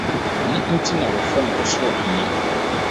Ɛno nti na wɔfrɛ no ɔsoro ahenni no.